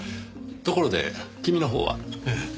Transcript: ところで君のほうは？ええ。